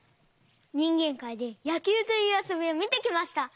にんげんかいで「やきゅう」というあそびをみてきました！